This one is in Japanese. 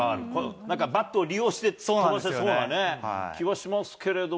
なんかバットを利用して飛ばせそうな気はしますけれども。